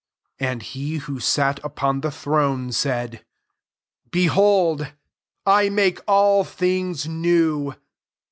5 And he who sat upon the thronC} said, "Behold, I make all things new."